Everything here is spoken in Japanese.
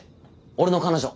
俺の彼女。